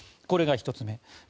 これが１つ目。